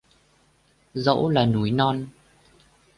Dẫu là núi non